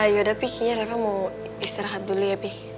yaudah pi kayaknya reva mau istirahat dulu ya pi